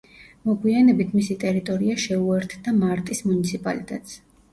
მოგვიანებით მისი ტერიტორია შეუერთდა მარტის მუნიციპალიტეტს.